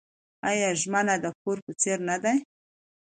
آیا ژمنه د پور په څیر نه ده؟